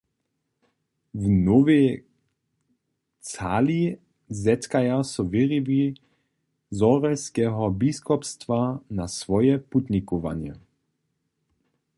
W Nowej Cali zetkaja so wěriwi Zhorjelskeho biskopstwa na swoje putnikowanje.